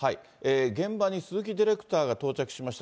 現場に鈴木ディレクターが到着しました。